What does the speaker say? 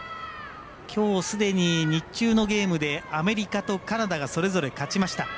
きょうすでに日中のゲームでアメリカとカナダがそれぞれ勝ちました。